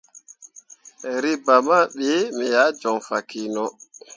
Reba ma ɓii me ah joŋ fah kino.